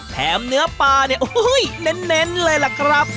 แผมเนื้อปลาเนี่ยโอ้โหเน้นเลยล่ะครับ